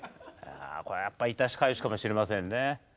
これやっぱり痛しかゆしかもしれませんね。